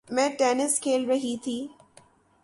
میں ٹینس کھیل رہی تھی